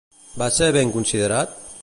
Va ser ben considerat?